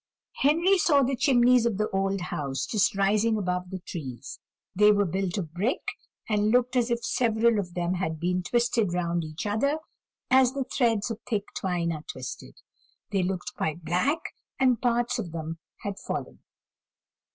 Henry saw the chimneys of the old house just rising above the trees; they were built of brick, and looked as if several of them had been twisted round each other, as the threads of thick twine are twisted; they looked quite black, and parts of them had fallen.